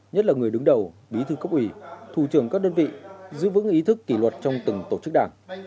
nhất là người đứng đầu bí thư cấp ủy thủ trưởng các đơn vị giữ vững ý thức kỷ luật trong từng tổ chức đảng